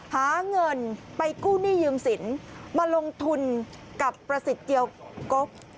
หาเงินไปกู้หนี้ยืมสินมาลงทุนกับประสิทธิ์เจียวกก